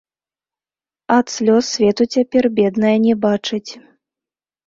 Ад слёз свету цяпер, бедная, не бачыць.